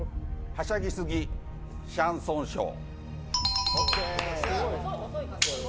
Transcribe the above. はしゃぎすぎシャンソンショー。